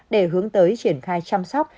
để hướng tới triển khai chăm sóc